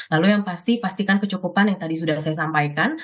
lalu yang pasti pastikan kecukupan yang tadi sudah saya sampaikan